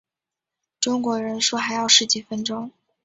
中国人说还要十几分钟